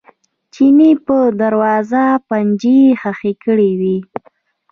چیني په دروازه پنجې ښخې کړې وې.